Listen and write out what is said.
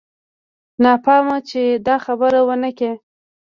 نه پام چې دا خبره ونه کې.